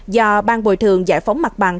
do bang bồi thường giải phóng mặt bằng